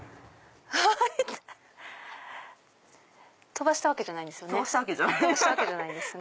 飛ばしたわけじゃないんですよね。